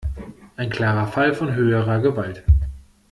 Ein klarer Fall von höherer Gewalt.